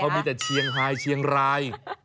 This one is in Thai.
เขามีแต่เชียงไทยเชียงราย